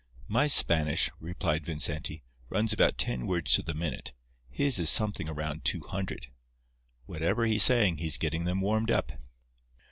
"My Spanish," replied Vincenti, "runs about ten words to the minute; his is something around two hundred. Whatever he's saying, he's getting them warmed up."